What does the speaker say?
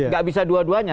gak bisa dua duanya